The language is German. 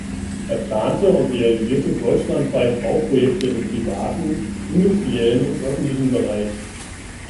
Er plante und realisierte deutschlandweit Bauprojekte im privaten, industriellen und öffentlichen Bereich.